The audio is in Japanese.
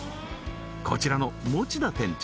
こちらの持田店長